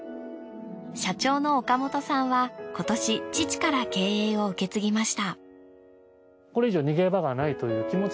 社長の岡本さんは今年父から経営を受け継ぎました。